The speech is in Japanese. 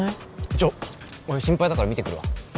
ちょ俺心配だから見てくるわ